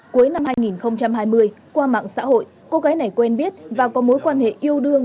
cuối năm hai nghìn hai mươi qua mạng xã hội cô gái này quen biết và có mối quan hệ yêu đương